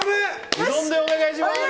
うどんでお願いします！